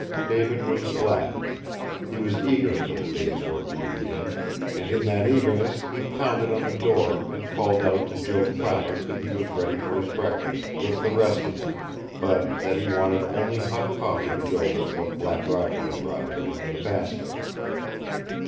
David was glad. He was eager for the day's work to begin, and in that eagerness he pounded on the door and called out to Joe Clamart that he was ready for his breakfast with the rest of them, but that he wanted only hot coffee to go with what Black Roger had brought to him in the basket.